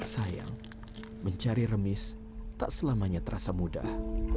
sayang mencari remis tak selamanya terasa mudah